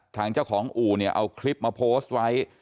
ทางเจ้าของอู่เนี่ยเอาคลิปมาโพสต์ไว้